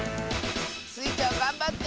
スイちゃんがんばって！